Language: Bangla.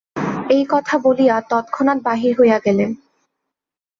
এই কথা বলিয়া তৎক্ষণাৎ বাহির হইয়া গেলেন।